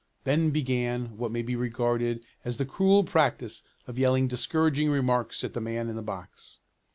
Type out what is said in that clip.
Then began what may be regarded as the cruel practice of yelling discouraging remarks at the man in the box.